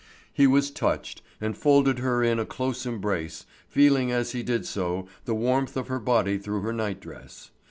He was touched, and folded her in a close embrace, feeling as he did so the warmth of her body through her nightdress.